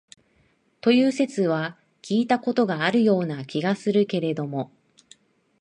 という説は聞いた事があるような気がするけれども、